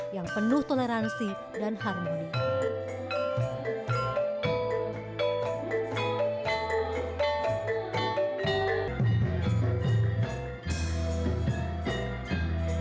yang penuh toleransi dan harmonis